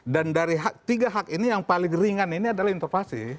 dan dari tiga hak ini yang paling ringan ini adalah interpelasi